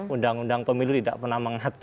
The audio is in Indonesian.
undang undang pemilu tidak pernah mengatakan